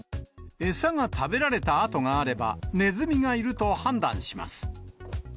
餌が食べられた跡があれば、ネズミがいると判断します。